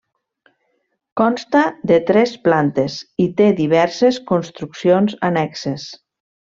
Consta de tres plantes i té diverses construccions annexes.